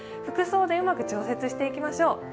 服装でうまく調節していきましょう。